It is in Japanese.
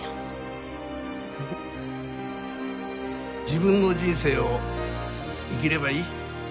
自分の人生を生きればいい。